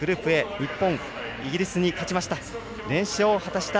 日本、イギリスに勝ちました。